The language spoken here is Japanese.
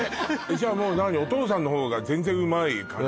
じゃもう何お父さんの方が全然うまい感じ？